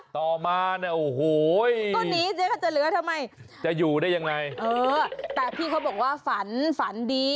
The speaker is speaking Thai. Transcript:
ต่อมาเนี่ยโอ้โหจะอยู่ได้ยังไงแต่พี่เขาบอกว่าฝันฝันดี